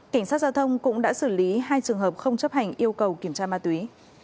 cảnh sát giao thông cũng đã xử lý hai trường hợp không chấp hành yêu cầu kiểm tra ma túy